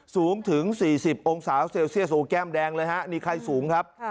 สูงถึง๔๐องศาเซลเซียสโซแก้มแดงเลยฮะนี่ไข้สูงครับ